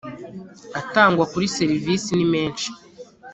atangwa kuri serivisi ni menshi